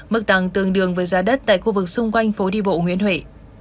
mức tăng tương đương với giá đất tại khu vực xung quanh phố đi bộ nguyễn huệ